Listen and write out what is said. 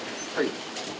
はい。